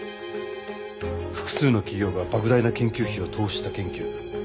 複数の企業が莫大な研究費を投資した研究。